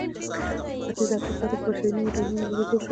په ختیځه افریقا کې د بشر نوي ډولونه وروزل شول.